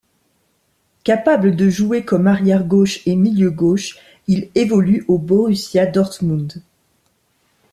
Capable de jouer comme arrière gauche et milieu gauche, il évolue au Borussia Dortmund.